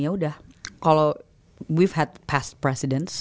ya udah kalo we ve had past presidents